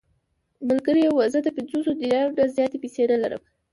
ملګري یې وویل: زه د پنځوسو دینارو نه زیاتې پېسې نه لرم.